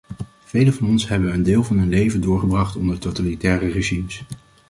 Velen van ons hebben een deel van hun leven doorgebracht onder totalitaire regimes.